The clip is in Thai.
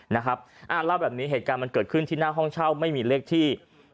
เล่าแบบนี้เหตุการณ์มันเกิดขึ้นที่หน้าห้องเช่าไม่มีเลขที่